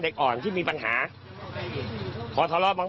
ตัวเองก็ไม่ระบวน